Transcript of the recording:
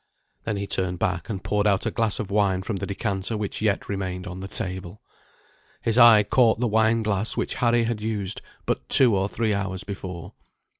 Then he turned back and poured out a glass of wine from the decanter which yet remained on the table. His eye caught the wine glass which Harry had used but two or three hours before.